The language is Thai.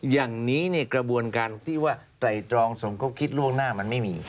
อย่างนี้กระบวนการที่ว่าไตรตรองสมคบคิดล่วงหน้ามันไม่มี